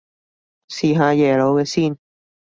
試下耶魯嘅先